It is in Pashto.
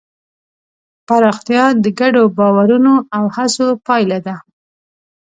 پراختیا د ګډو باورونو او هڅو پایله ده.